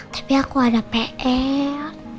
tapi aku ada pl